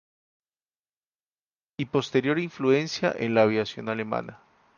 Y posterior influencia en la aviación alemana.